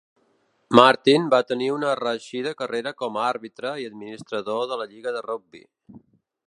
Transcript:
Martin va tenir una reeixida carrera com a àrbitre i administrador de la lliga de rugbi.